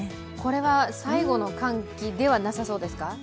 これは最後の寒気ではなさそうですか？